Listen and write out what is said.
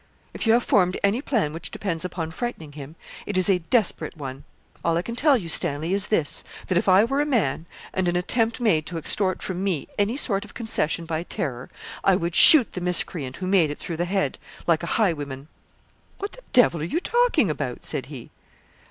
'If you have formed any plan which depends upon frightening him, it is a desperate one. All I can tell you, Stanley, is this, that if I were a man, and an attempt made to extort from me any sort of concession by terror, I would shoot the miscreant who made it through the head, like a highwayman.' 'What the devil are you talking about?' said he.